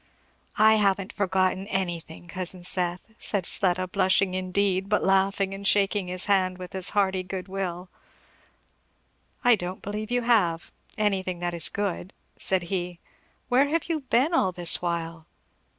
"I haven't forgotten any thing, cousin Seth," said Fleda, blushing indeed but laughing and shaking his hand with as hearty good will. "I don't believe you have, anything that is good," said he. "Where have you been all this while?"